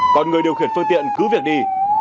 còn người điều khiển phương tiện cứ việc đi